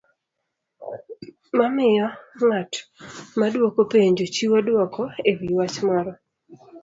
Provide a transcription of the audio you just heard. mamiyo ng'at maduoko penjo chiwo dwoko e wi wach moro.